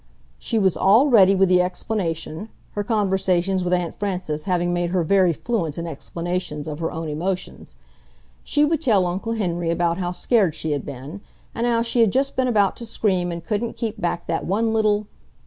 She was all ready with the explanation, her conversations with Aunt Frances having made her very fluent in explanations of her own emotions. She would tell Uncle Henry about how scared she had been, and how she had just been about to scream and couldn't keep back that one little